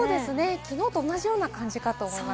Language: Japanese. きのうと同じような感じだと思います。